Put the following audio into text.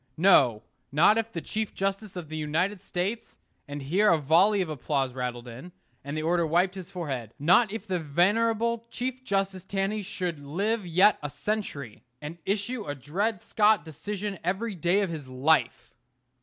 No, not if the Chief justice of the United States and here a volley of applause rattled in, and the orator wiped his forehead not if the venerable Chief justice Taney should live yet a century, and issue a Dred Scott decision every day of his life.